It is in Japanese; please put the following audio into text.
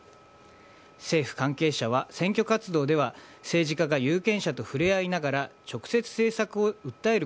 政府関係者は選挙活動では政治家が有権者と触れ合いながら、直接政策を訴える